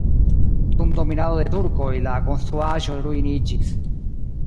Dum dominado de turkoj la konstruaĵo ruiniĝis.